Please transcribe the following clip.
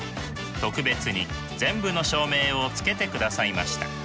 特別に全部の照明をつけてくださいました。